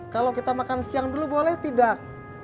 kalau kita makan siang dulu boleh tidak